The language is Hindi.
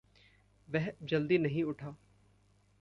वह जल्दी नहीं उठा।